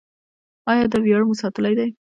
آیا دا ویاړ مو ساتلی دی؟